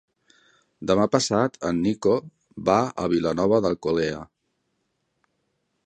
Demà passat en Nico va a Vilanova d'Alcolea.